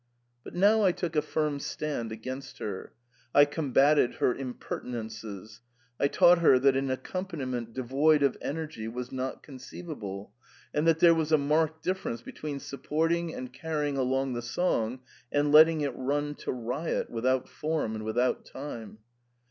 But now I took a j5rm stand against her ; I combated her impertinences ; I taught her that an accompaniment devoid of energy was not conceivable, and that there was a marked difference between supporting and carrying along the song and letting it run to riot, without form and without time.